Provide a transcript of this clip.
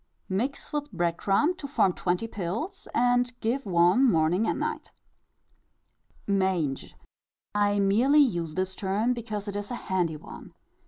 iv. Mix with bread crumb to form twenty pills, and give one morning and night. Mange. I merely use this term because it is a handy one.